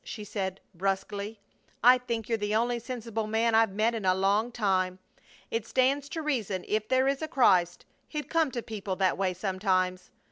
she said, brusquely. "I think you're the only sensible man I've met in a long time. It stands to reason if there is a Christ He'd come to people that way sometimes.